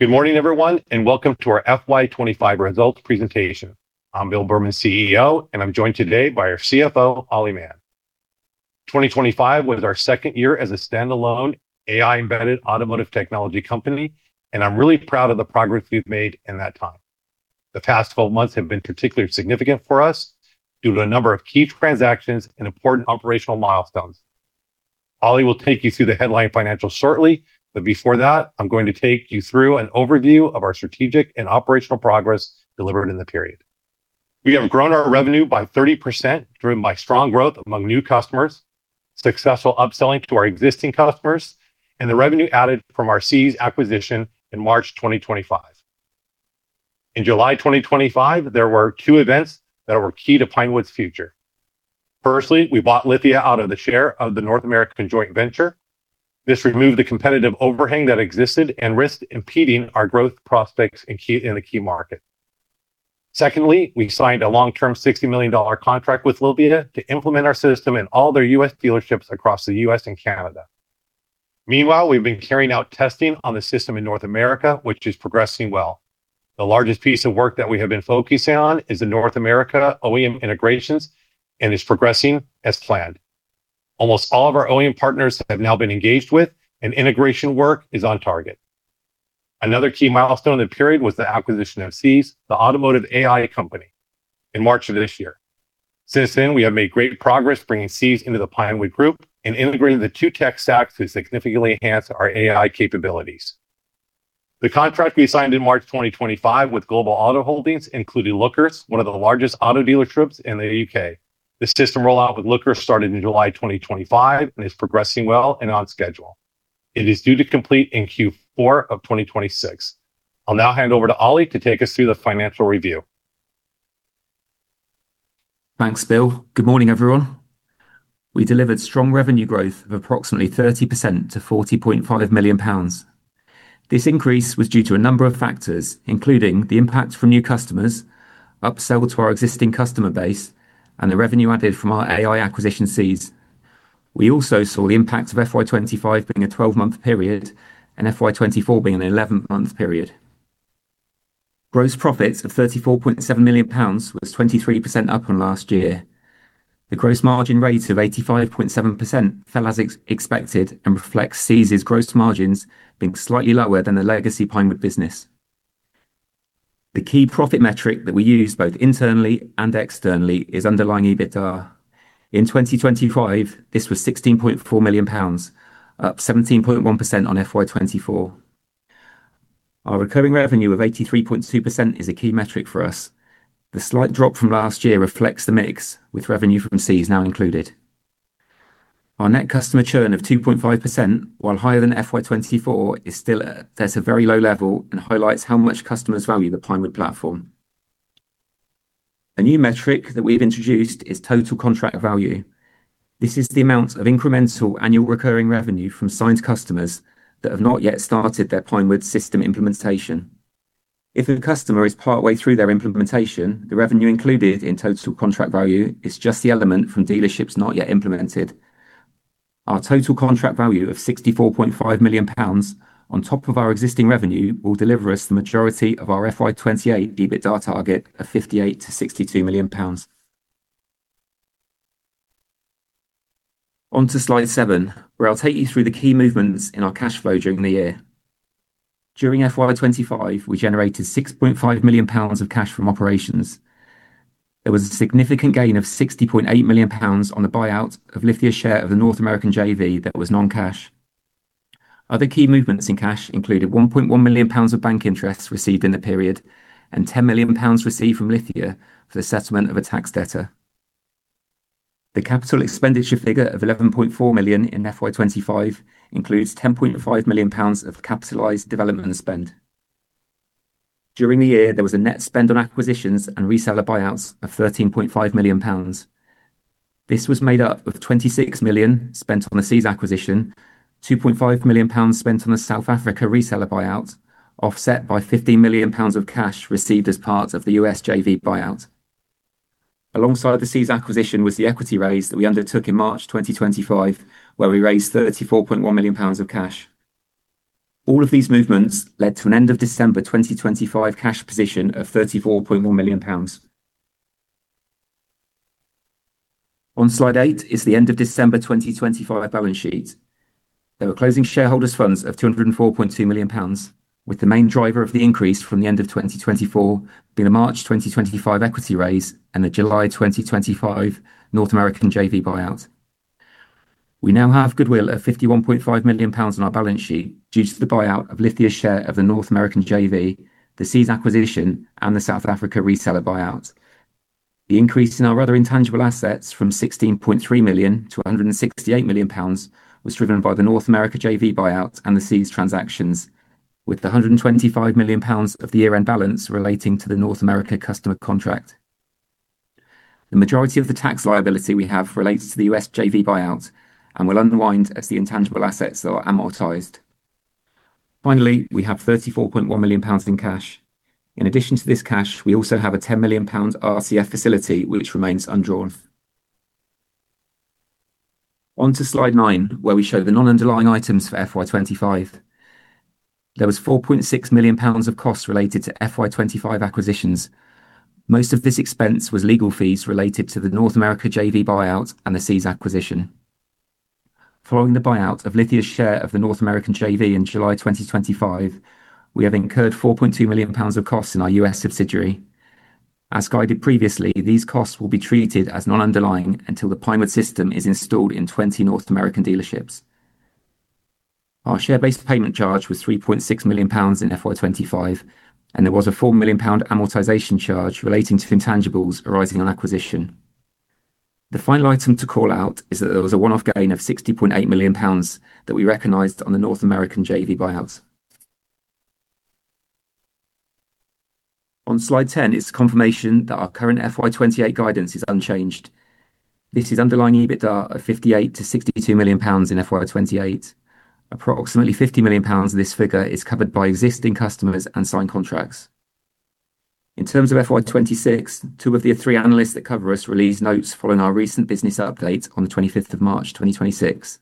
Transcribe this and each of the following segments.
Good morning, everyone, and welcome to our FY 2025 results presentation. I'm Bill Berman, CEO, and I'm joined today by our CFO, Ollie Mann. 2025 was our second year as a standalone AI-embedded automotive technology company, and I'm really proud of the progress we've made in that time. The past 12 months have been particularly significant for us due to a number of key transactions and important operational milestones. Ollie will take you through the headline financials shortly, but before that, I'm going to take you through an overview of our strategic and operational progress delivered in the period. We have grown our revenue by 30%, driven by strong growth among new customers, successful upselling to our existing customers, and the revenue added from our Seez acquisition in March 2025. In July 2025, there were two events that were key to Pinewood's future. Firstly, we bought Lithia out of the share of the North American joint venture. This removed the competitive overhang that existed and risked impeding our growth prospects in a key market. Secondly, we signed a long-term $60 million contract with Lithia to implement our system in all their U.S. dealerships across the U.S. and Canada. Meanwhile, we've been carrying out testing on the system in North America, which is progressing well. The largest piece of work that we have been focusing on is the North America OEM integrations and is progressing as planned. Almost all of our OEM partners have now been engaged with, and integration work is on target. Another key milestone in the period was the acquisition of Seez, the automotive AI company, in March of this year. Since then, we have made great progress bringing Seez into the Pinewood group and integrating the two tech stacks to significantly enhance our AI capabilities. The contract we signed in March 2025 with Global Auto Holdings, including Lookers, one of the largest auto dealerships in the U.K. The system rollout with Lookers started in July 2025 and is progressing well and on schedule. It is due to complete in Q4 of 2026. I'll now hand over to Ollie to take us through the financial review. Thanks, Bill. Good morning, everyone. We delivered strong revenue growth of approximately 30% to 40.5 million pounds. This increase was due to a number of factors, including the impact from new customers, upsell to our existing customer base, and the revenue added from our AI acquisition, Seez. We also saw the impact of FY 2025 being a 12-month period and FY 2024 being an 11-month period. Gross profits of 34.7 million pounds was 23% up on last year. The gross margin rate of 85.7% fell as expected and reflects Seez's gross margins being slightly lower than the legacy Pinewood business. The key profit metric that we use both internally and externally is underlying EBITDA. In 2025, this was 16.4 million pounds, up 17.1% on FY 2024. Our recurring revenue of 83.2% is a key metric for us. The slight drop from last year reflects the mix with revenue from Seez now included. Our net customer churn of 2.5%, while higher than FY 2024, is still at a very low level and highlights how much customers value the Pinewood platform. A new metric that we've introduced is total contract value. This is the amount of incremental annual recurring revenue from signed customers that have not yet started their Pinewood system implementation. If a customer is partway through their implementation, the revenue included in total contract value is just the element from dealerships not yet implemented. Our total contract value of 64.5 million pounds on top of our existing revenue will deliver us the majority of our FY 2028 EBITDA target of 58 million-62 million pounds. On to Slide 7, where I'll take you through the key movements in our cash flow during the year. During FY 2025, we generated 6.5 million pounds of cash from operations. There was a significant gain of 60.8 million pounds on the buyout of Lithia's share of the North American JV that was non-cash. Other key movements in cash included 1.1 million pounds of bank interest received in the period and 10 million pounds received from Lithia for the settlement of a tax debt. The capital expenditure figure of 11.4 million in FY 2025 includes 10.5 million pounds of capitalized development spend. During the year, there was a net spend on acquisitions and reseller buyouts of 13.5 million pounds. This was made up of 26 million spent on the Seez acquisition, 2.5 million pounds spent on the South Africa reseller buyout, offset by 15 million pounds of cash received as part of the U.S. JV buyout. Alongside the Seez acquisition was the equity raise that we undertook in March 2025, where we raised 34.1 million pounds of cash. All of these movements led to an end of December 2025 cash position of 34.1 million pounds. On Slide 8 is the end of December 2025 balance sheet. There were closing shareholders' funds of 204.2 million pounds, with the main driver of the increase from the end of 2024 being a March 2025 equity raise and a July 2025 North American JV buyout. We now have goodwill of 51.5 million pounds on our balance sheet due to the buyout of Lithia's share of the North American JV, the Seez acquisition, and the South Africa reseller buyout. The increase in our other intangible assets from 16.3 million to 168 million pounds was driven by the North America JV buyout and the Seez transactions. With 125 million pounds of the year-end balance relating to the North America customer contract. The majority of the tax liability we have relates to the U.S. JV buyout and will unwind as the intangible assets are amortized. Finally, we have 34.1 million pounds in cash. In addition to this cash, we also have a 10 million pound RCF facility, which remains undrawn. On to Slide 9, where we show the non-underlying items for FY 2025. There was 4.6 million pounds of costs related to FY 2025 acquisitions. Most of this expense was legal fees related to the North American JV buyout and the Seez acquisition. Following the buyout of Lithia's share of the North American JV in July 2025, we have incurred 4.2 million pounds of costs in our U.S. subsidiary. As guided previously, these costs will be treated as non-underlying until the Pinewood system is installed in 20 North American dealerships. Our share-based payment charge was 3.6 million pounds in FY 2025, and there was a 4 million pound amortization charge relating to intangibles arising on acquisition. The final item to call out is that there was a one-off gain of 60.8 million pounds that we recognized on the North American JV buyouts. On Slide 10, it's the confirmation that our current FY 2028 guidance is unchanged. This is underlying EBITDA of 58 million-62 million pounds in FY 2028. Approximately 50 million pounds of this figure is covered by existing customers and signed contracts. In terms of FY 2026, two of the three analysts that cover us released notes following our recent business update on the 25th of March 2026.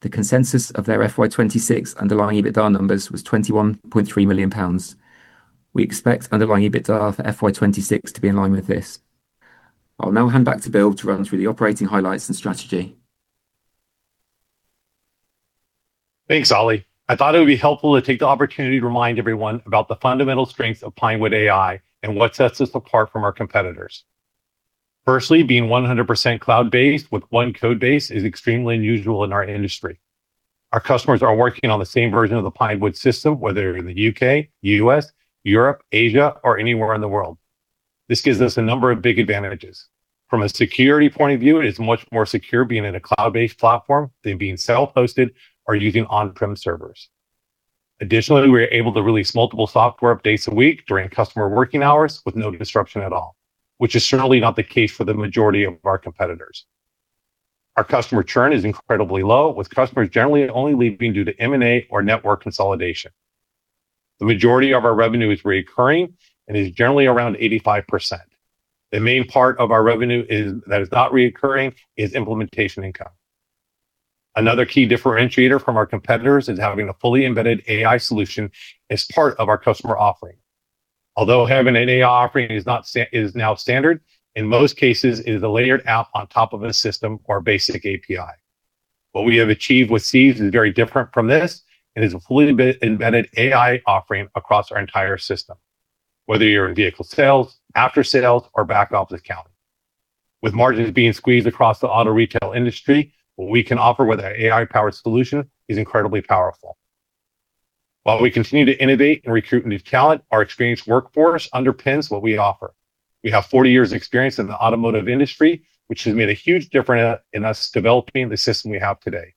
The consensus of their FY 2026 underlying EBITDA numbers was 21.3 million pounds. We expect underlying EBITDA for FY 2026 to be in line with this. I'll now hand back to Bill to run through the operating highlights and strategy. Thanks, Ollie. I thought it would be helpful to take the opportunity to remind everyone about the fundamental strengths of Pinewood.AI and what sets us apart from our competitors. Firstly, being 100% cloud-based with one code base is extremely unusual in our industry. Our customers are working on the same version of the Pinewood system, whether you're in the U.K., U.S., Europe, Asia, or anywhere in the world. This gives us a number of big advantages. From a security point of view, it is much more secure being in a cloud-based platform than being self-hosted or using on-prem servers. Additionally, we're able to release multiple software updates a week during customer working hours with no disruption at all, which is certainly not the case for the majority of our competitors. Our customer churn is incredibly low, with customers generally only leaving due to M&A or network consolidation. The majority of our revenue is recurring and is generally around 85%. The main part of our revenue that is not recurring is implementation income. Another key differentiator from our competitors is having a fully embedded AI solution as part of our customer offering. Although having an AI offering is now standard, in most cases, it is a layered app on top of a system or basic API. What we have achieved with Seez is very different from this and is a fully embedded AI offering across our entire system, whether you're in vehicle sales, after sales, or back office accounting. With margins being squeezed across the auto retail industry, what we can offer with our AI-powered solution is incredibly powerful. While we continue to innovate and recruit new talent, our experienced workforce underpins what we offer. We have 40 years’ experience in the automotive industry, which has made a huge difference in us developing the system we have today.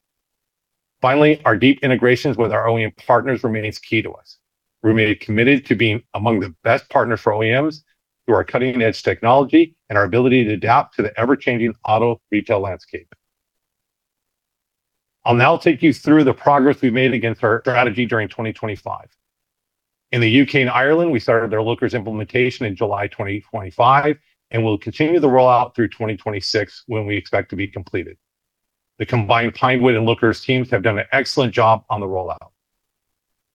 Finally, our deep integrations with our OEM partners remains key to us. We remain committed to being among the best partners for OEMs through our cutting-edge technology and our ability to adapt to the ever-changing auto retail landscape. I'll now take you through the progress we've made against our strategy during 2025. In the U.K. and Ireland, we started their Lookers implementation in July 2025, and we'll continue the rollout through 2026 when we expect to be completed. The combined Pinewood and Lookers teams have done an excellent job on the rollout.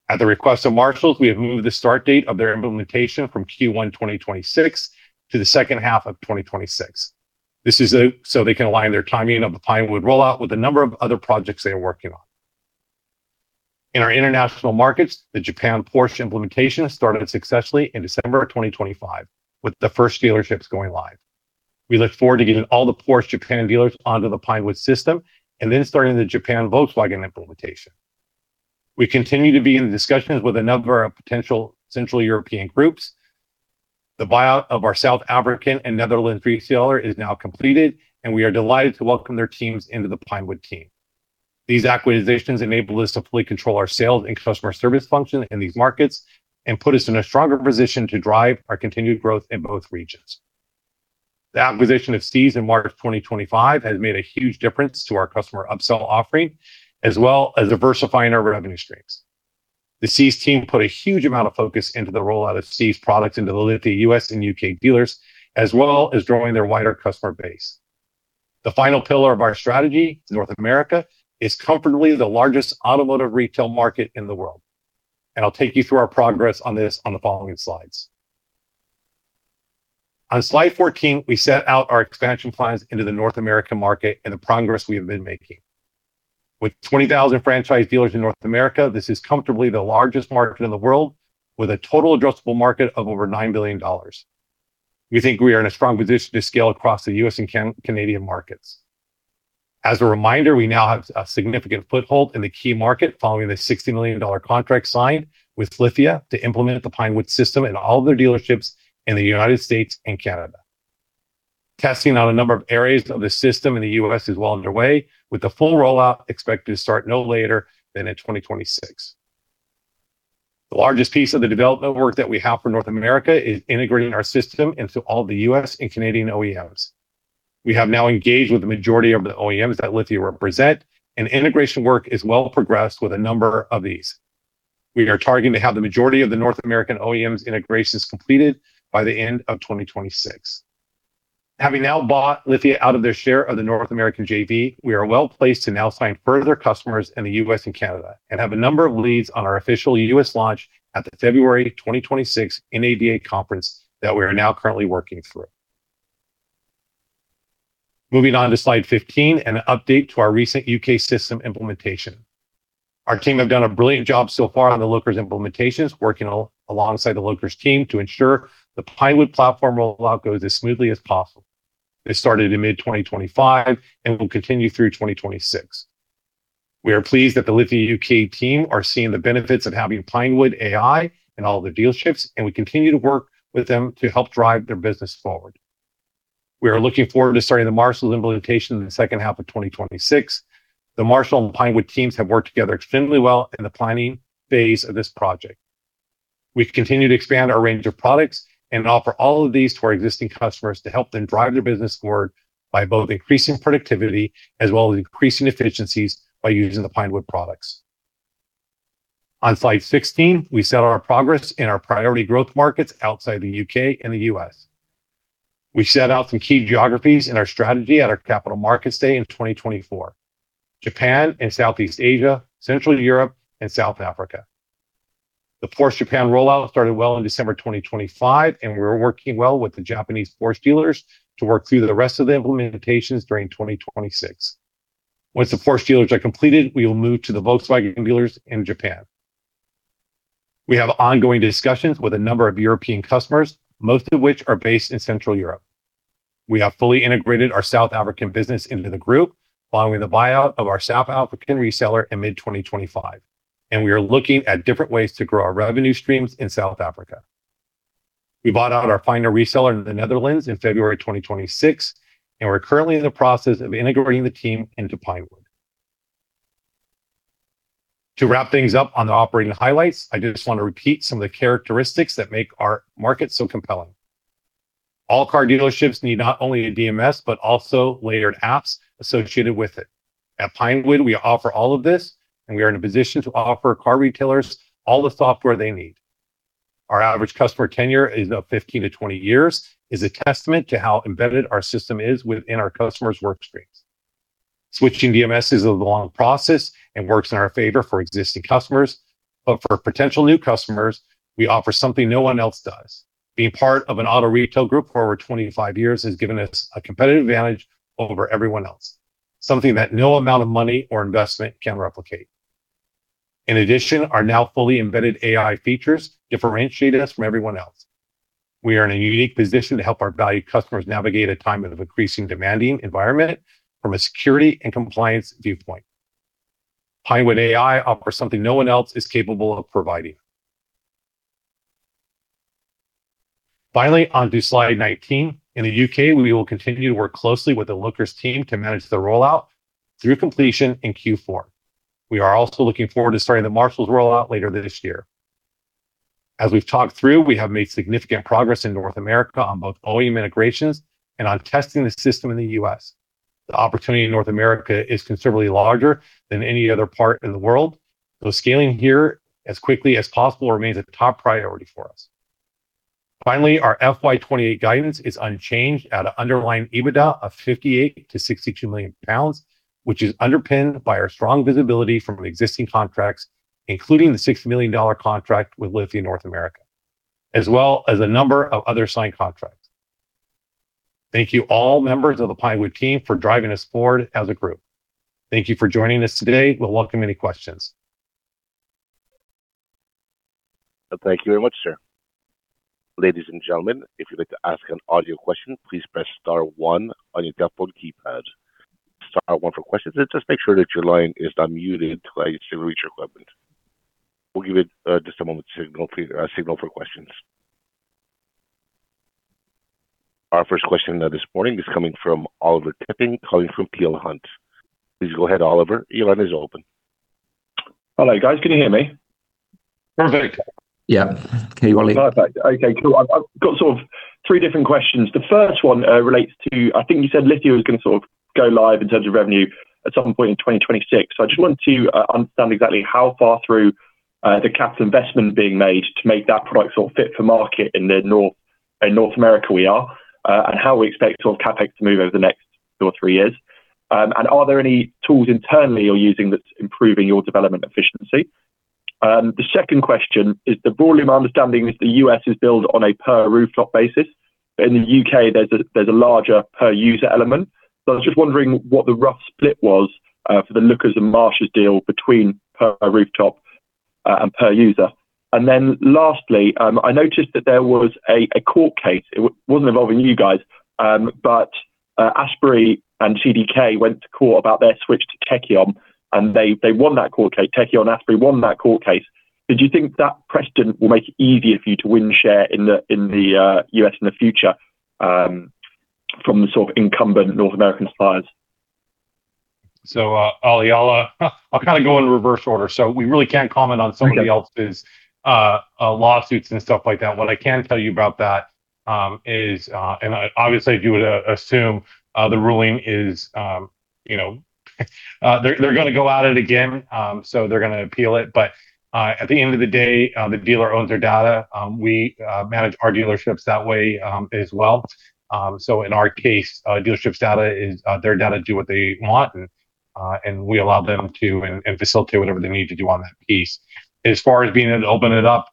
At the request of Marshall Motor Group, we have moved the start date of their implementation from Q1 2026 to the second half of 2026. This is so they can align their timing of the Pinewood rollout with a number of other projects they are working on. In our international markets, the Porsche Japan implementation started successfully in December of 2025, with the first dealerships going live. We look forward to getting all the Porsche Japan dealers onto the Pinewood system and then starting the Volkswagen Japan implementation. We continue to be in discussions with a number of potential Central European groups. The buyout of our South African and Netherlands reseller is now completed, and we are delighted to welcome their teams into the Pinewood team. These acquisitions enable us to fully control our sales and customer service function in these markets and put us in a stronger position to drive our continued growth in both regions. The acquisition of Seez in March 2025 has made a huge difference to our customer upsell offering, as well as diversifying our revenue streams. The Seez team put a huge amount of focus into the rollout of Seez products into the Lithia U.S. and U.K. dealers, as well as growing their wider customer base. The final pillar of our strategy, North America, is comfortably the largest automotive retail market in the world, and I'll take you through our progress on this on the following slides. On Slide 14, we set out our expansion plans into the North American market and the progress we have been making. With 20,000 franchise dealers in North America, this is comfortably the largest market in the world, with a total addressable market of over $9 billion. We think we are in a strong position to scale across the U.S. and Canadian markets. As a reminder, we now have a significant foothold in the key market following the $60 million contract signed with Lithia to implement the Pinewood system in all of their dealerships in the United States and Canada. Testing out a number of areas of the system in the U.S. is well underway, with the full rollout expected to start no later than in 2026. The largest piece of the development work that we have for North America is integrating our system into all the U.S. and Canadian OEMs. We have now engaged with the majority of the OEMs that Lithia represent, and integration work is well progressed with a number of these. We are targeting to have the majority of the North American OEMs integrations completed by the end of 2026. Having now bought Lithia out of their share of the North American JV, we are well-placed to now sign further customers in the U.S. and Canada and have a number of leads on our official U.S. launch at the February 2026 NADA conference that we are now currently working through. Moving on to Slide 15, an update to our recent U.K. system implementation. Our team have done a brilliant job so far on the Lookers implementations, working alongside the Lookers team to ensure the Pinewood platform rollout goes as smoothly as possible. It started in mid-2025 and will continue through 2026. We are pleased that the Lithia U.K. team are seeing the benefits of having Pinewood AI in all their dealerships, and we continue to work with them to help drive their business forward. We are looking forward to starting the Marshall implementation in the second half of 2026. The Marshall and Pinewood teams have worked together extremely well in the planning phase of this project. We've continued to expand our range of products and offer all of these to our existing customers to help them drive their business forward by both increasing productivity as well as increasing efficiencies by using the Pinewood products. On Slide 16, we show our progress in our priority growth markets outside the U.K. and the U.S. We set out some key geographies in our strategy at our capital markets day in 2024, Japan and Southeast Asia, Central Europe and South Africa. The Porsche Japan rollout started well in December 2025, and we're working well with the Japanese Porsche dealers to work through the rest of the implementations during 2026. Once the Porsche dealers are completed, we will move to the Volkswagen dealers in Japan. We have ongoing discussions with a number of European customers, most of which are based in Central Europe. We have fully integrated our South African business into the group, following the buyout of our South African reseller in mid-2025, and we are looking at different ways to grow our revenue streams in South Africa. We bought out our final reseller in the Netherlands in February 2026, and we're currently in the process of integrating the team into Pinewood. To wrap things up on the operating highlights, I just want to repeat some of the characteristics that make our market so compelling. All car dealerships need not only a DMS but also layered apps associated with it. At Pinewood, we offer all of this, and we are in a position to offer car retailers all the software they need. Our average customer tenure of 15-20 years is a testament to how embedded our system is within our customers' work streams. Switching DMSs is a long process and works in our favor for existing customers. For potential new customers, we offer something no one else does. Being part of an auto retail group for over 25 years has given us a competitive advantage over everyone else, something that no amount of money or investment can replicate. In addition, our now fully embedded AI features differentiate us from everyone else. We are in a unique position to help our valued customers navigate a time of increasingly demanding environment from a security and compliance viewpoint. Pinewood.AI offers something no one else is capable of providing. Finally, on to Slide 19. In the U.K., we will continue to work closely with the Lookers team to manage the rollout through completion in Q4. We are also looking forward to starting the Marshall's rollout later this year. As we've talked through, we have made significant progress in North America on both OEM integrations and on testing the system in the U.S. The opportunity in North America is considerably larger than any other part in the world, so scaling here as quickly as possible remains a top priority for us. Finally, our FY 2028 guidance is unchanged at an underlying EBITDA of 58 million-62 million pounds, which is underpinned by our strong visibility from existing contracts, including the $6 million contract with Lithia North America, as well as a number of other signed contracts. Thank you all members of the Pinewood team for driving us forward as a group. Thank you for joining us today. We'll welcome any questions. Thank you very much, sir. Ladies and gentlemen, if you'd like to ask an audio question, please press star one on your telephone keypad. Star one for questions, and just make sure that your line is unmuted at your equipment. We'll give it just a moment signal for questions. Our first question this morning is coming from Oliver Tipping, calling from Peel Hunt. Please go ahead, Oliver. Your line is open. Hello, guys. Can you hear me? Perfect. Yeah. Can you hear me? Perfect. Okay, cool. I've got sort of three different questions. The first one relates to, I think you said Lithia was going to sort of go live in terms of revenue at some point in 2026. I just wanted to understand exactly how far through the capital investment being made to make that product sort of fit for market in North America we are, and how we expect sort of CapEx to move over the next two or three years. Are there any tools internally you're using that's improving your development efficiency? The second question is the volume. My understanding is the U.S. is billed on a per rooftop basis, but in the U.K., there's a larger per user element. I was just wondering what the rough split was for the Lookers and Marshall's deal between per rooftop and per user. Then lastly, I noticed that there was a court case. It wasn't involving you guys, but Asbury and CDK went to court about their switch to Tekion, and they won that court case. Asbury won that court case. Do you think that precedent will make it easier for you to win share in the U.S. in the future from the sort of incumbent North American suppliers? Oli, I'll kind of go in reverse order. We really can't comment on somebody else's lawsuits and stuff like that. What I can tell you about that is, and obviously if you were to assume the ruling is they're going to go at it again, so they're going to appeal it. At the end of the day, the dealer owns their data. We manage our dealerships that way as well. In our case, a dealership's data is their data, do what they want, and we allow them to, and facilitate whatever they need to do on that piece. As far as being able to open it up,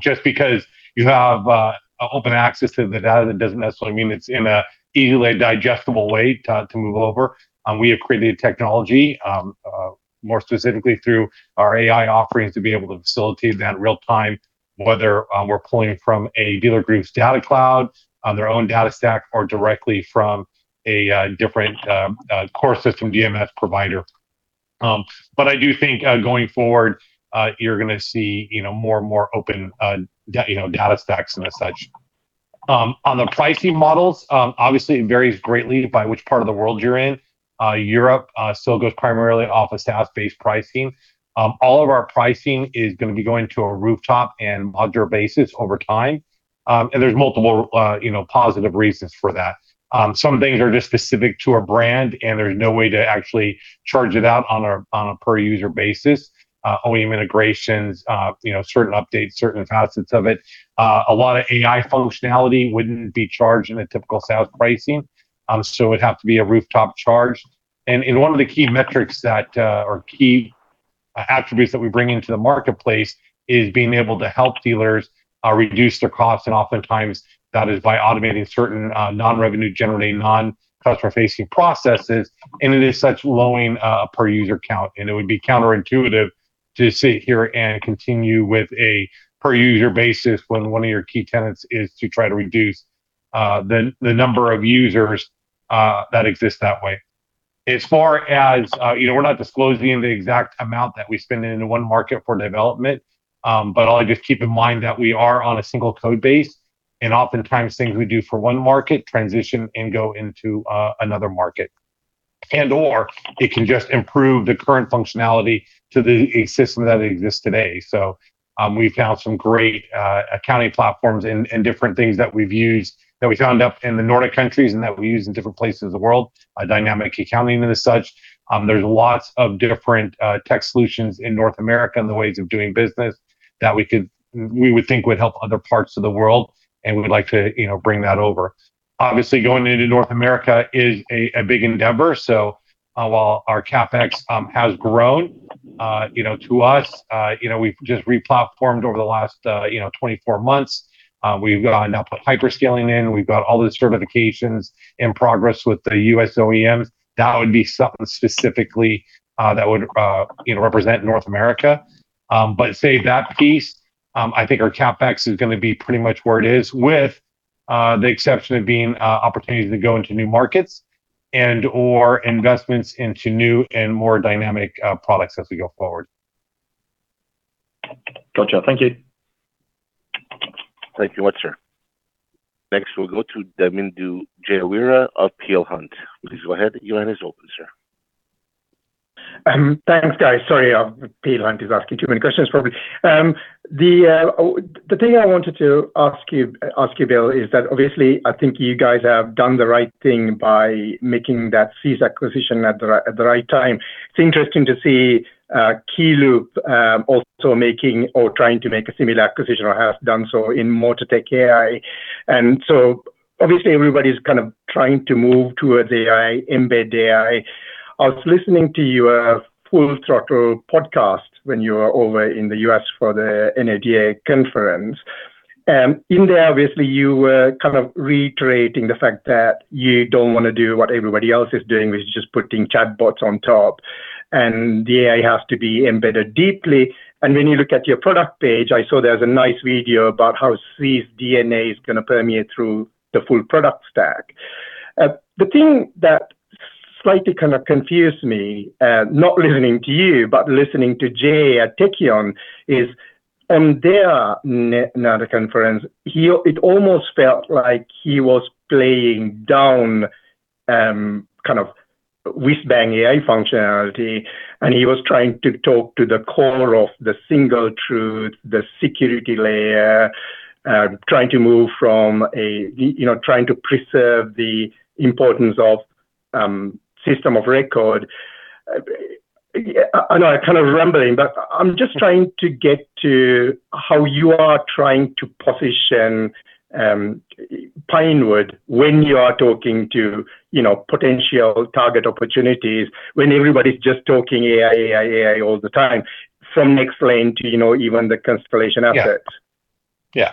just because you have open access to the data, that doesn't necessarily mean it's in an easily digestible way to move over. We have created technology, more specifically through our AI offerings, to be able to facilitate that in real time, whether we're pulling from a dealer group's data cloud, on their own data stack, or directly from a different core system DMS provider. I do think, going forward, you're gonna see more and more open data stacks and such. On the pricing models, obviously it varies greatly by which part of the world you're in. Europe still goes primarily off of SaaS-based pricing. All of our pricing is going to be going to a rooftop and module basis over time. There's multiple positive reasons for that. Some things are just specific to a brand and there's no way to actually charge it out on a per user basis. OEM integrations, certain updates, certain facets of it. A lot of AI functionality wouldn't be charged in a typical SaaS pricing, so it would have to be a rooftop charge. One of the key metrics that, or key attributes that we bring into the marketplace is being able to help dealers reduce their costs. Oftentimes, that is by automating certain non-revenue generating, non-customer facing processes. It is such low-end per user count. It would be counterintuitive to sit here and continue with a per user basis when one of your key tenets is to try to reduce the number of users that exist that way. As far as, we're not disclosing the exact amount that we spend in one market for development. I'll just keep in mind that we are on a single code base, and oftentimes things we do for one market transition and go into another market. It can just improve the current functionality to the system that exists today. We've found some great accounting platforms and different things that we've used that we found up in the Nordic countries and that we use in different places of the world, dynamic accounting and such. There's lots of different tech solutions in North America and the ways of doing business that we would think would help other parts of the world, and we would like to bring that over. Obviously, going into North America is a big endeavor. While our CapEx has grown, to us we've just re-platformed over the last 24 months. We've gone and put hyperscaling in. We've got all the certifications in progress with the U.S. OEMs. That would be something specifically that would represent North America. Save that piece, I think our CapEx is gonna be pretty much where it is with the exception of being opportunities to go into new markets and/or investments into new and more dynamic products as we go forward. Gotcha. Thank you. Thank you much, sir. Next, we'll go to Damindu Jayaweera of Peel Hunt. Please go ahead. Your line is open, sir. Thanks, guys. Sorry, Peel Hunt is asking too many questions, probably. The thing I wanted to ask you, Bill, is that obviously I think you guys have done the right thing by making that Seez acquisition at the right time. It's interesting to see, Keyloop also making or trying to make a similar acquisition, or has done so in motortech.ai. Obviously everybody's kind of trying to move towards AI, embed AI. I was listening to your Full Throttle podcast when you were over in the U.S. for the NADA conference. In there, obviously, you were kind of reiterating the fact that you don't wanna do what everybody else is doing, which is just putting chatbots on top, and the AI has to be embedded deeply. When you look at your product page, I saw there's a nice video about how Seez DNA is gonna permeate through the full product stack. The thing that slightly kind of confused me, not listening to you, but listening to Jay at Tekion is, on their NADA conference, it almost felt like he was playing down, kind of whiz-bang AI functionality, and he was trying to talk to the core of the single truth, the security layer, trying to preserve the importance of system of record. I know I'm kind of rambling, but I'm just trying to get to how you are trying to position Pinewood when you are talking to potential target opportunities when everybody's just talking AI, AI all the time, from Nextlane to even the Constellation assets. Yeah.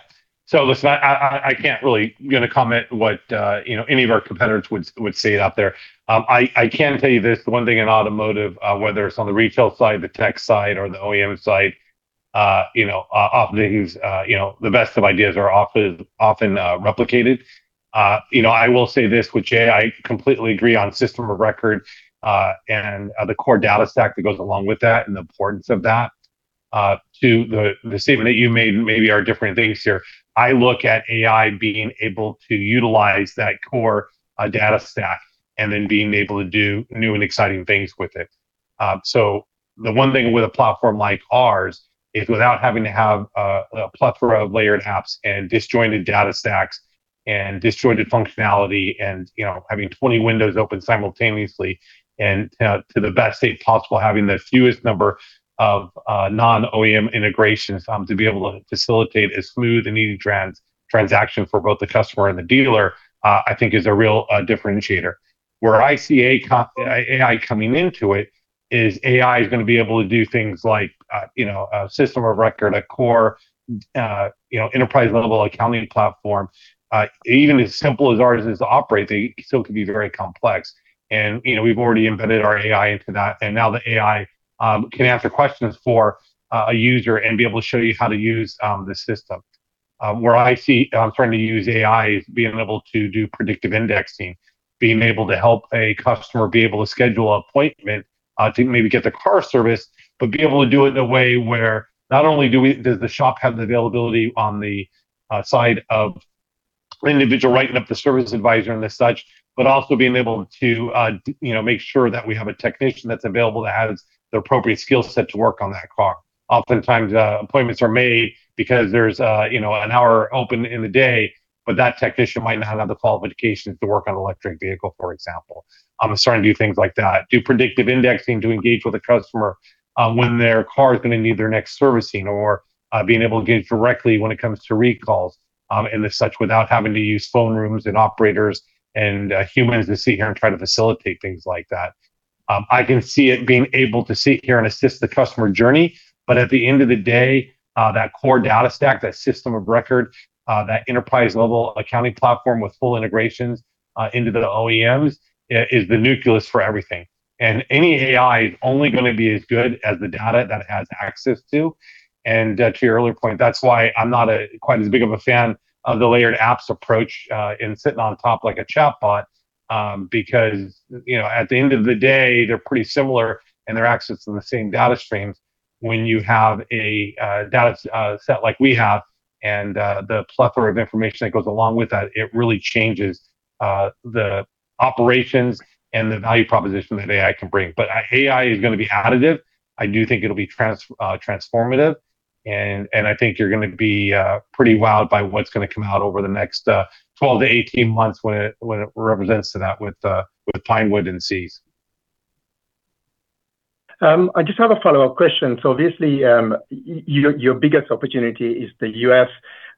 Listen, I can't really comment what any of our competitors would say out there. I can tell you this, the one thing in automotive, whether it's on the retail side, the tech side, or the OEM side, oftentimes the best of ideas are often replicated. I will say this with Jay, I completely agree on system of record, and the core data stack that goes along with that and the importance of that. To the statement that you made, maybe our different things here. I look at AI being able to utilize that core data stack and then being able to do new and exciting things with it. The one thing with a platform like ours is without having to have a plethora of layered apps and disjointed data stacks and disjointed functionality and having 20 windows open simultaneously and to the best state possible, having the fewest number of non-OEM integrations to be able to facilitate a smooth and easy transaction for both the customer and the dealer, I think is a real differentiator. Where I see AI coming into it is AI is going to be able to do things like, a system of record, a core enterprise-level accounting platform. Even as simple as ours is to operate, they still can be very complex. We've already embedded our AI into that, and now the AI can answer questions for a user and be able to show you how to use the system. Where I see trying to use AI is being able to do predictive indexing, being able to help a customer be able to schedule an appointment to maybe get their car serviced, but be able to do it in a way where not only does the shop have the availability on the side of individual writing up the service advisor and such, but also being able to make sure that we have a technician that's available that has the appropriate skill set to work on that car. Oftentimes, appointments are made because there's an hour open in the day, but that technician might not have the qualifications to work on an electric vehicle, for example. I'm starting to do things like that. Do predictive indexing to engage with a customer when their car is going to need their next servicing or being able to engage directly when it comes to recalls and such without having to use phone rooms and operators and humans to sit here and try to facilitate things like that. I can see it being able to sit here and assist the customer journey, but at the end of the day, that core data stack, that system of record, that enterprise-level accounting platform with full integrations into the OEMs is the nucleus for everything. Any AI is only going to be as good as the data that it has access to. To your earlier point, that's why I'm not quite as big of a fan of the layered apps approach and sitting on top like a chatbot, because at the end of the day, they're pretty similar and they're accessing the same data streams. When you have a data set like we have and the plethora of information that goes along with that, it really changes the operations and the value proposition that AI can bring. AI is going to be additive. I do think it'll be transformative, and I think you're going to be pretty wowed by what's going to come out over the next 12 months-18 months when it represents that with Pinewood and Seez. I just have a follow-up question. Obviously, your biggest opportunity is the U.S.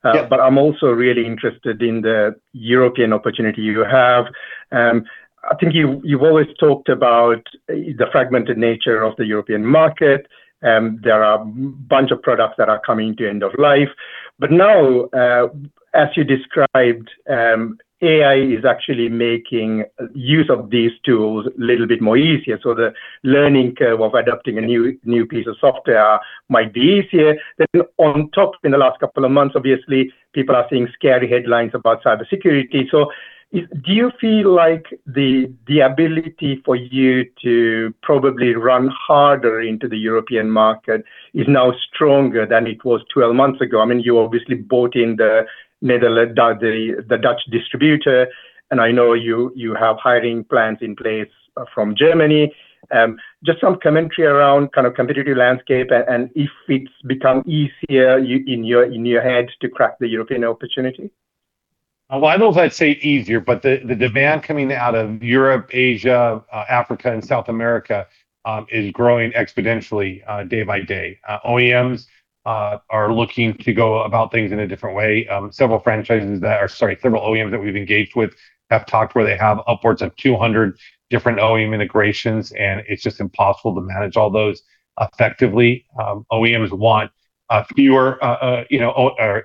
Yeah. I'm also really interested in the European opportunity you have. I think you've always talked about the fragmented nature of the European market. There are a bunch of products that are coming to end of life. Now, as you described, AI is actually making use of these tools a little bit more easier. The learning curve of adopting a new piece of software might be easier. On top, in the last couple of months, obviously, people are seeing scary headlines about cybersecurity. Do you feel like the ability for you to probably run harder into the European market is now stronger than it was 12 months ago? You obviously bought in the Dutch distributor, and I know you have hiring plans in place from Germany. Just some commentary around kind of competitive landscape and if it's become easier in your head to crack the European opportunity. Well, I don't know if I'd say easier, but the demand coming out of Europe, Asia, Africa, and South America is growing exponentially day by day. OEMs are looking to go about things in a different way. Several OEMs that we've engaged with have talked where they have upwards of 200 different OEM integrations, and it's just impossible to manage all those effectively. OEMs want fewer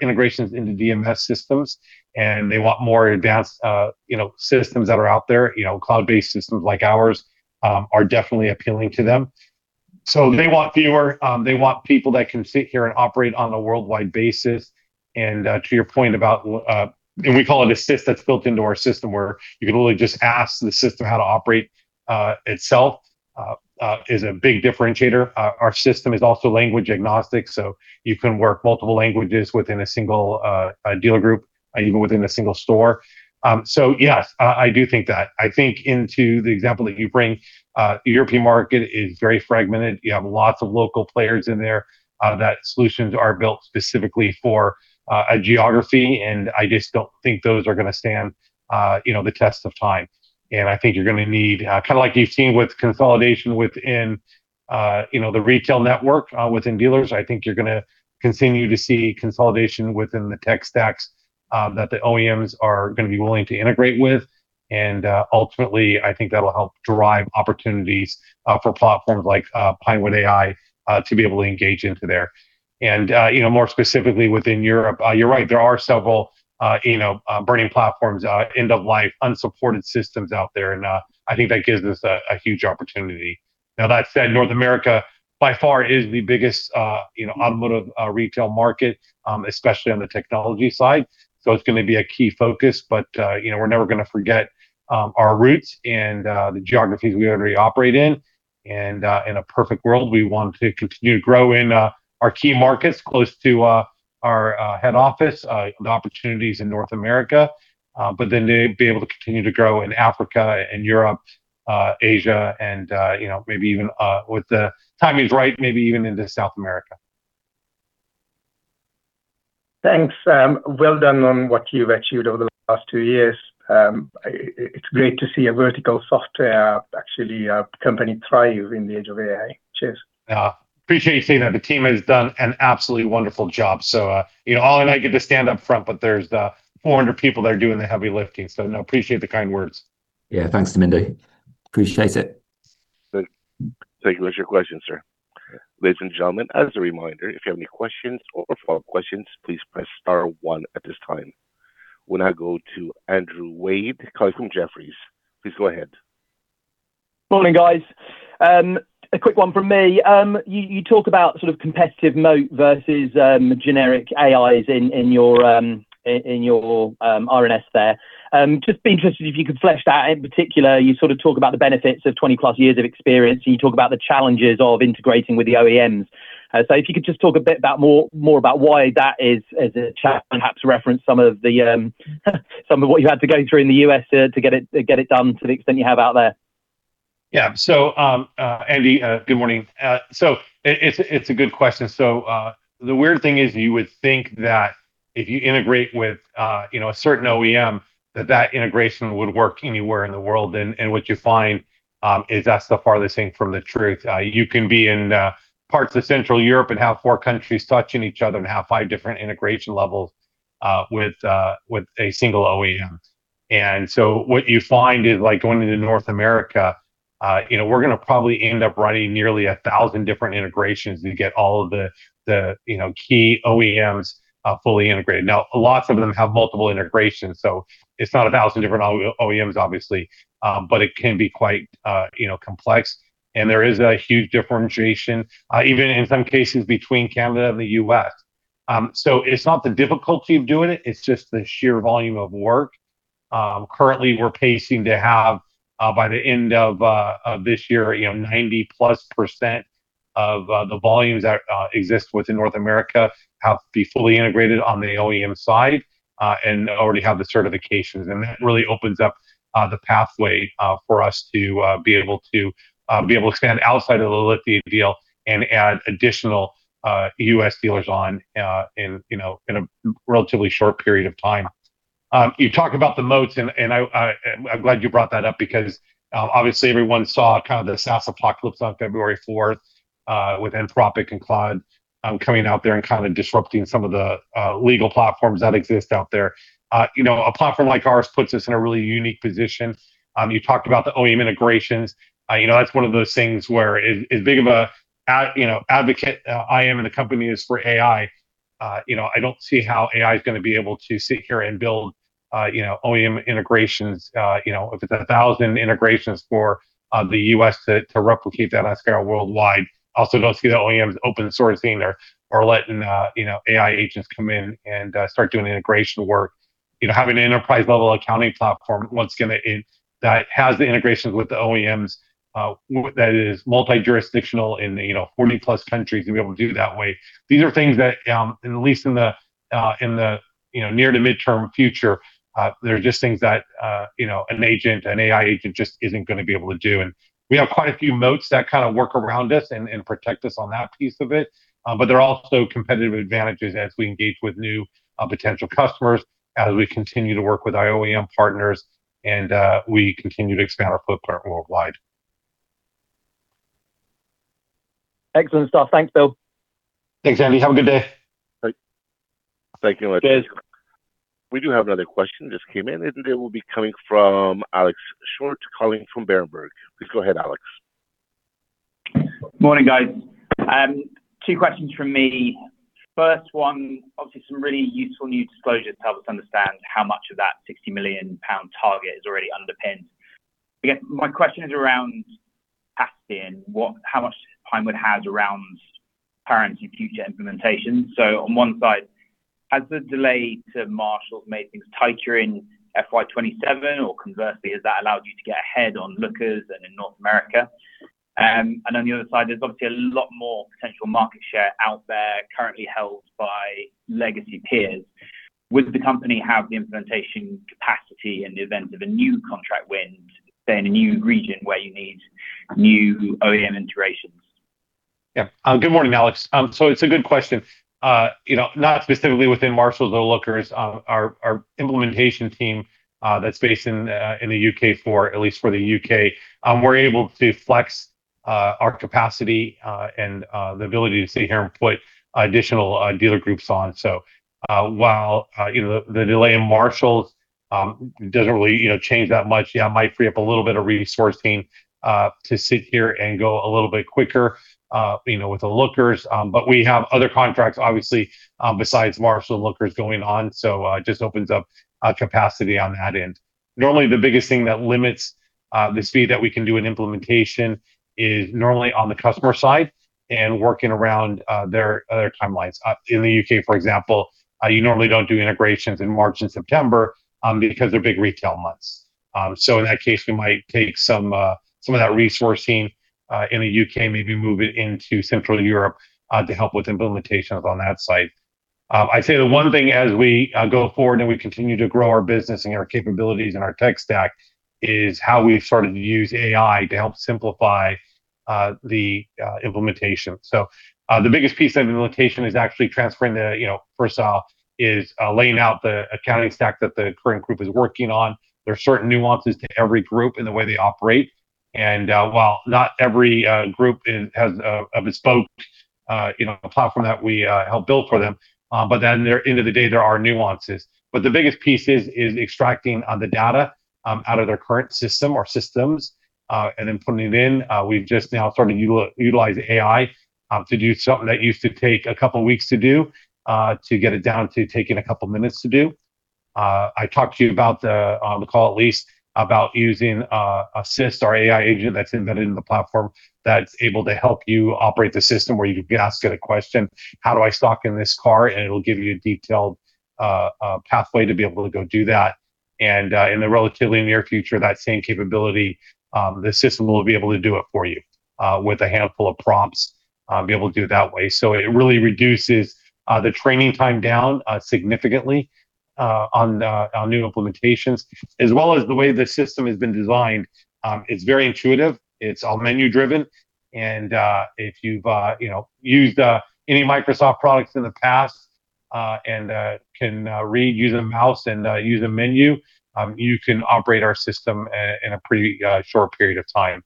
integrations into DMS systems, and they want more advanced systems that are out there. Cloud-based systems like ours are definitely appealing to them. They want fewer, they want people that can sit here and operate on a worldwide basis, we call it Assist that's built into our system, where you can literally just ask the system how to operate itself, is a big differentiator. Our system is also language agnostic, so you can work multiple languages within a single dealer group, even within a single store. Yes, I do think that. I think in the example that you bring, the European market is very fragmented. You have lots of local players in there that the solutions are built specifically for a geography, and I just don't think those are going to stand the test of time. I think you're going to need, kind of like you've seen with consolidation within the retail network within dealers. I think you're going to continue to see consolidation within the tech stacks that the OEMs are going to be willing to integrate with. Ultimately, I think that'll help drive opportunities for platforms like Pinewood.AI to be able to engage in there. More specifically within Europe, you're right, there are several burning platforms, end-of-life, unsupported systems out there, and I think that gives us a huge opportunity. Now, that said, North America by far is the biggest automotive retail market, especially on the technology side. It's going to be a key focus. We're never going to forget our roots and the geographies we already operate in. In a perfect world, we want to continue to grow in our key markets close to our head office and opportunities in North America, but then to be able to continue to grow in Africa and Europe, Asia, and if maybe even with the timing right, maybe even into South America. Thanks. Well done on what you've achieved over the last two years. It's great to see a vertical software, actually, a company thrive in the age of AI. Cheers. Yeah. Appreciate you saying that. The team has done an absolutely wonderful job. Ollie and I get to stand up front, but there's 400 people that are doing the heavy lifting. No, appreciate the kind words. Yeah. Thanks, Damindu. Appreciate it. Thank you. That's your question, sir. Ladies and gentlemen, as a reminder, if you have any questions or follow-up questions, please press star one at this time. We'll now go to Andrew Wade calling from Jefferies. Please go ahead. Morning, guys. A quick one from me. You talk about sort of competitive moat versus generic AIs in your RNS there. Just be interested if you could flesh that. In particular, you sort of talk about the benefits of 20+ years of experience, and you talk about the challenges of integrating with the OEMs. If you could just talk a bit more about why that is, as a moat, perhaps reference some of what you had to go through in the U.S. to get it done to the extent you have out there. Yeah. Andy, good morning. It's a good question. The weird thing is you would think that if you integrate with a certain OEM, that that integration would work anywhere in the world. What you find is that's the farthest thing from the truth. You can be in parts of Central Europe and have four countries touching each other and have five different integration levels with a single OEM. What you find is like going into North America, we're going to probably end up writing nearly 1,000 different integrations to get all of the key OEMs fully integrated. Now, lots of them have multiple integrations, so it's not 1,000 different OEMs, obviously, but it can be quite complex and there is a huge differentiation, even in some cases between Canada and the U.S. It's not the difficulty of doing it's just the sheer volume of work. Currently, we're pacing to have, by the end of this year, 90%+ of the volumes that exist within North America have to be fully integrated on the OEM side, and already have the certifications. That really opens up the pathway for us to be able to stand outside of the Lithia deal and add additional U.S. dealers on in a relatively short period of time. You talk about the moats, and I'm glad you brought that up because obviously everyone saw kind of the SaaS apocalypse on February 4th with Anthropic and Claude coming out there and kind of disrupting some of the legal platforms that exist out there. A platform like ours puts us in a really unique position. You talked about the OEM integrations. That's one of those things where as big of an advocate I am, and the company is for AI, I don't see how AI's going to be able to sit here and build OEM integrations. If it's 1,000 integrations for the U.S. to replicate that at scale worldwide, [I] also don't see the OEMs open sourcing or letting AI agents come in and start doing the integration work. Having an enterprise-level accounting platform that has the integrations with the OEMs, that is multi-jurisdictional in 40+ countries and be able to do it that way. These are things that, at least in the near to midterm future, they're just things that an agent, an AI agent just isn't going to be able to do. We have quite a few moats that kind of work around us and protect us on that piece of it. There are also competitive advantages as we engage with new potential customers, as we continue to work with our OEM partners and we continue to expand our footprint worldwide. Excellent stuff. Thanks, Bill. Thanks, Andy. Have a good day. Thank you. Cheers. We do have another question just came in. It will be coming from Alex Short calling from Berenberg. Please go ahead, Alex. Morning, guys. Two questions from me. First one, obviously some really useful new disclosures to help us understand how much of that 60 million pound target is already underpinned. I guess my question is around capacity and how much Pinewood has around current and future implementation. On one side, has the delay to Marshall's made things tighter in FY 2027 or conversely, has that allowed you to get ahead on Lookers and in North America? On the other side, there's obviously a lot more potential market share out there currently held by legacy peers. Would the company have the implementation capacity in the event of a new contract win, say in a new region where you need new OEM integrations? Yeah. Good morning, Alex. It's a good question. Not specifically within Marshall or Lookers. Our implementation team that's based in the U.K., for at least for the U.K., we're able to flex our capacity and the ability to sit here and put additional dealer groups on. While the delay in Marshall doesn't really change that much, yeah, it might free up a little bit of resourcing to sit here and go a little bit quicker with the Lookers. We have other contracts, obviously, besides Marshall and Lookers going on, so just opens up capacity on that end. Normally, the biggest thing that limits the speed that we can do an implementation is normally on the customer side and working around their other timelines. In the U.K., for example, you normally don't do integrations in March and September because they're big retail months. In that case, we might take some of that resourcing in the U.K., maybe move it into Central Europe to help with implementations on that side. I'd say the one thing as we go forward and we continue to grow our business and our capabilities and our tech stack is how we've started to use AI to help simplify the implementation. The biggest piece of implementation is actually first off laying out the accounting stack that the current group is working on. There are certain nuances to every group and the way they operate, and while not every group has a bespoke platform that we help build for them, but then at the end of the day, there are nuances. The biggest piece is extracting the data out of their current system or systems, and then putting it in. We've just now started to utilize AI to do something that used to take a couple of weeks to do to get it down to taking a couple of minutes to do. I talked to you about, on the call at least, about using Assist, our AI agent that's embedded in the platform that's able to help you operate the system where you can ask it a question, "How do I stock in this car?" It'll give you a detailed pathway to be able to go do that. In the relatively near future, that same capability, the system will be able to do it for you with a handful of prompts, be able to do it that way. It really reduces the training time down significantly on new implementations, as well as the way the system has been designed. It's very intuitive, it's all menu-driven, and if you've used any Microsoft products in the past, and can read, use a mouse, and use a menu, you can operate our system in a pretty short period of time.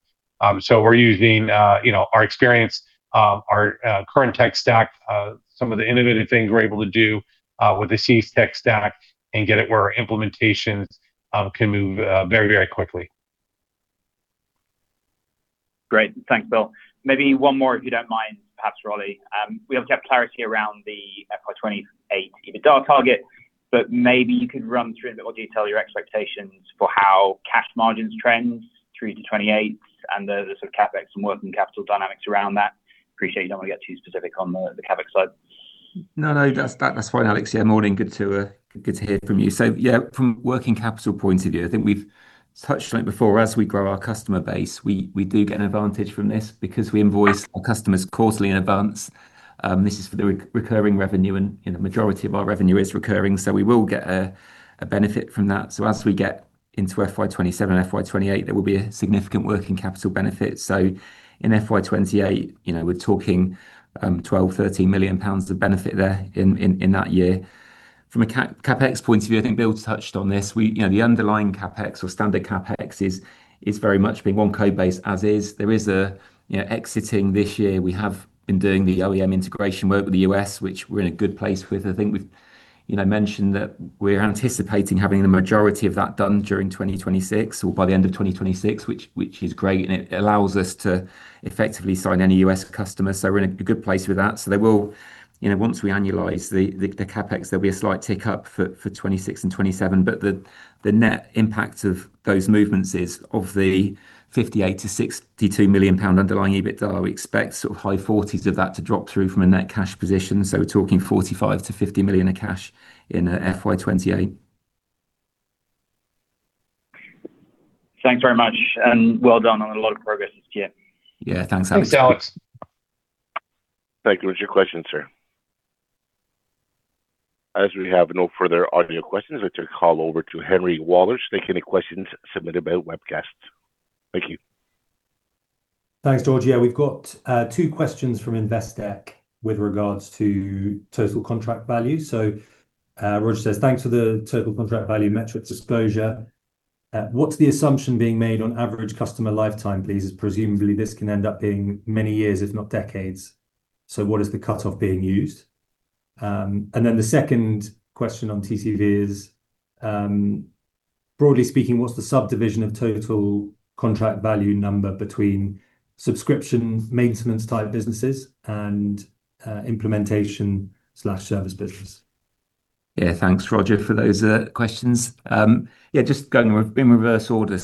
We're using our experience, our current tech stack, some of the innovative things we're able to do with the CS tech stack and get it where our implementations can move very quickly. Great. Thanks, Bill. Maybe one more, if you don't mind, perhaps, Ollie. We haven't kept clarity around the FY 2028 EBITDA target, but maybe you could run through in a bit more detail your expectations for how cash margins trend through to 2028 and the sort of CapEx and working capital dynamics around that. Appreciate you don't want to get too specific on the CapEx side. No, that's fine, Alex. Yeah, morning, good to hear from you. Yeah, from a working capital point of view, I think we've touched on it before, as we grow our customer base, we do get an advantage from this because we invoice our customers quarterly in advance. This is for the recurring revenue, and the majority of our revenue is recurring, so we will get a benefit from that. As we get into FY 2027 and FY 2028, there will be a significant working capital benefit. In FY 2028, we're talking 12 million-13 million pounds of benefit there in that year. From a CapEx point of view, I think Bill touched on this. The underlying CapEx or standard CapEx is very much being one code base as is. There is exciting this year. We have been doing the OEM integration work with the U.S., which we're in a good place with. I think we've mentioned that we're anticipating having the majority of that done during 2026 or by the end of 2026, which is great, and it allows us to effectively sign any U.S. customers. We're in a good place with that. They will, once we annualize the CapEx, there'll be a slight tick up for 2026 and 2027, but the net impact of those movements is that of the 58 million-62 million pound underlying EBITDA, we expect high forties of that to drop through from a net cash position. We're talking 45 million-GB 50 million of cash in FY 2028. Thanks very much, and well done on a lot of progress this year. Yeah. Thanks, Alex. Thanks, Alex. Thank you. That's your question, sir. As we have no further audio questions, let's call over to Henry Walters to take any questions submitted by webcast. Thank you. Thanks, George. Yeah, we've got two questions from Investec with regards to total contract value. Roger says, "Thanks for the total contract value metric disclosure. What's the assumption being made on average customer lifetime, please? As presumably, this can end up being many years, if not decades. What is the cutoff being used?" The second question on TCV is, "Broadly speaking, what's the subdivision of total contract value number between subscription maintenance type businesses and implementation/service business? Yeah, thanks, Roger, for those questions. Yeah, just going in reverse order.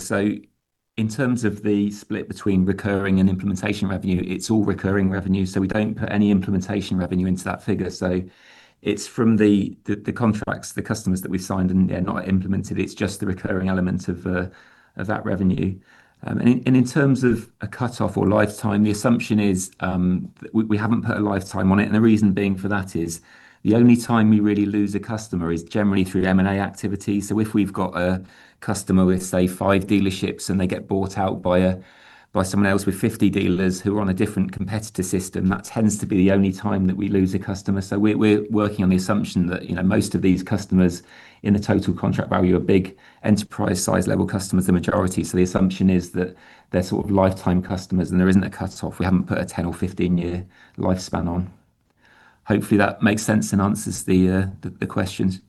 In terms of the split between recurring and implementation revenue, it's all recurring revenue, so we don't put any implementation revenue into that figure. It's from the contracts, the customers that we've signed, and they're not implemented. It's just the recurring element of that revenue. In terms of a cutoff or lifetime, the assumption is we haven't put a lifetime on it. The reason being for that is the only time we really lose a customer is generally through M&A activity. If we've got a customer with, say, five dealerships and they get bought out by someone else with 50 dealers who are on a different competitor system, that tends to be the only time that we lose a customer. We're working on the assumption that most of these customers in the total contract value are big enterprise size level customers, the majority. The assumption is that they're sort of lifetime customers, and there isn't a cutoff. We haven't put a 10 or 15-year lifespan on. Hopefully, that makes sense and answers the questions.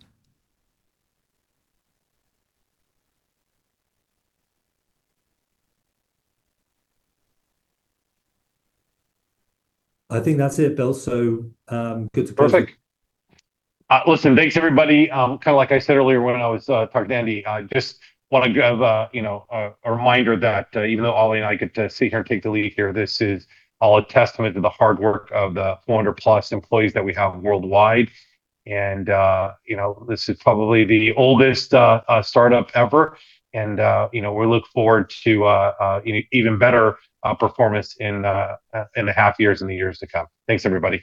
I think that's it, Bill. Good to proceed. Perfect. Listen, thanks, everybody. Like I said earlier when I was talking to Andy, I just want to give a reminder that even though Ollie and I get to sit here and take the lead here, this is all a testament to the hard work of the 400+ employees that we have worldwide. This is probably the oldest startup ever, and we look forward to even better performance in the half years and the years to come. Thanks, everybody.